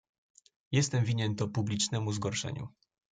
"Jestem winien to publicznemu zgorszeniu."